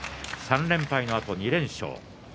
３連敗のあと２連勝です。